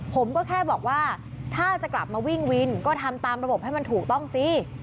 ผมก็แค่บอกว่าถ้าจะกลับมาวิ่งวินก็ทำตามระบบให้มันถูกต้องสิ